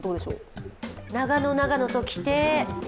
長野、長野と来て。